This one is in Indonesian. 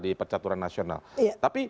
di percaturan nasional tapi